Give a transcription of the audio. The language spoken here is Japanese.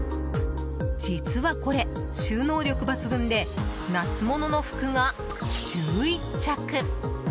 実はこれ、収納力抜群で夏物の服が１１着。